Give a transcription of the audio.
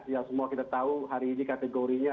yang semua kita tahu hari ini kategorinya